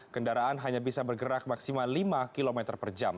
kendaraan hanya bisa bergerak maksimal lima km per jam